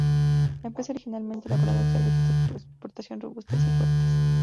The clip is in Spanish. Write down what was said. La empresa originalmente elaborada cervezas de exportación robustas y fuertes.